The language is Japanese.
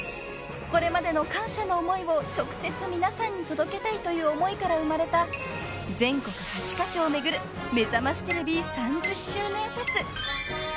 ［これまでの感謝の思いを直接皆さんに届けたいという思いから生まれた全国８カ所を巡るめざましテレビ３０周年フェス］